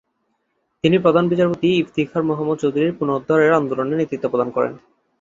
তিনি প্রধান বিচারপতি ইফতিখার মোহাম্মদ চৌধুরীর পুনরুদ্ধারের আন্দোলনে নেতৃত্ব প্রদান করেন।